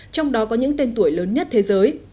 trong đó có những tên tuổi lớn nhất thế giới